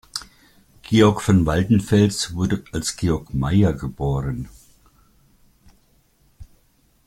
Georg von Waldenfels wurde als Georg Meyer geboren.